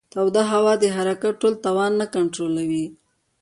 توده هوا د حرکت ټول توان نه کنټرولوي.